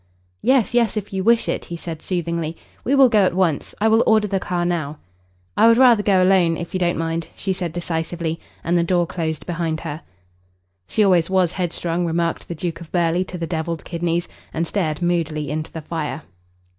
"Yes, yes, if you wish it," he said soothingly. "We will go at once. I will order the car now." "I would rather go alone, if you don't mind," she said decisively, and the door closed behind her. "She always was headstrong," remarked the Duke of Burghley to the devilled kidneys, and stared moodily into the fire.